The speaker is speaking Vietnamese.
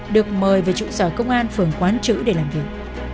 được mời về trụ sở công an phường quán chữ để làm việc